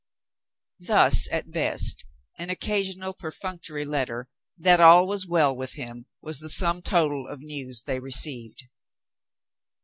Thus, at best, an occasional perfunctory letter that all was well with him was the sum total of news they received.